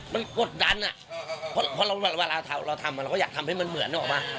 มันกดดันอ่ะเพราะเวลาเราทำเราก็อยากทำให้มันเหมือนออกมา